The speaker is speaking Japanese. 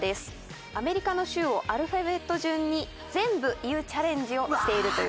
アメリカの州をアルファベット順に全部言うチャレンジをしているという事です。